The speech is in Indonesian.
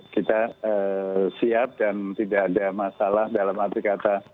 kita siap dan tidak ada masalah dalam arti kata